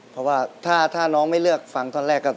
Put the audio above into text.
เพราะว่าถ้าน้องไม่เลือกฟังท่อนแรกก็